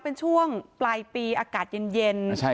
เป็นช่วงปลายปีอากาศเย็น